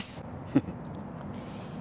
フフッ。